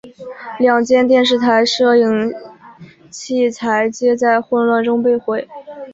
两间电视台摄影器材皆在混乱中被毁。